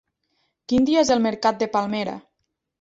Quin dia és el mercat de Palmera?